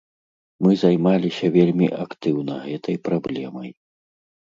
Мы займаліся вельмі актыўна гэтай праблемай.